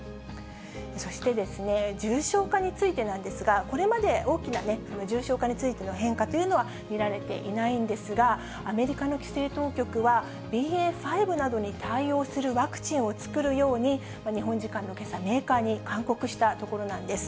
そして、重症化についてなんですが、これまで大きな重症化についての変化というのは見られていないんですが、アメリカの規制当局は、ＢＡ．５などに対応するワクチンを作るように、日本時間のけさ、メーカーに勧告したところなんです。